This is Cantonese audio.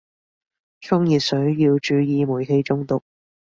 沖熱水要注意煤氣中毒